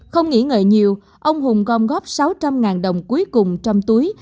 không nghỉ ngợi nhiều ông hùng gom góp sáu trăm linh đồng cuối cùng trong túi